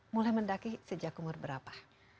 mulai mendaki sejak umur berapa